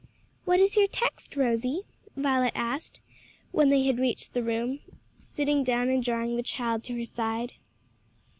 "What is your text, Rosie?" Violet asked when they had reached the room, sitting down and drawing the child to her side.